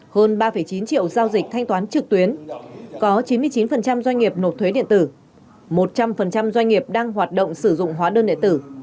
hơn ba chín triệu giao dịch thanh toán trực tuyến có chín mươi chín doanh nghiệp nộp thuế điện tử một trăm linh doanh nghiệp đang hoạt động sử dụng hóa đơn điện tử